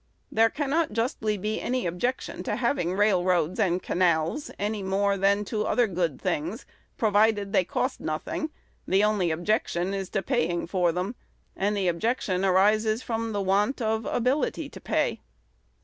There cannot justly be any objection to having railroads and canals, any more than to other good things, provided they cost nothing. The only objection is to paying for them; and the objection arises from the want of ability to pay.